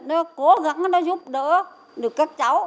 nó cố gắng nó giúp đỡ được các cháu